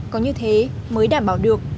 có như thế mới đảm bảo được